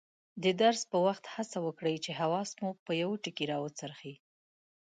د درس په وخت هڅه وکړئ چې حواس مو په یوه ټکي راوڅرخي.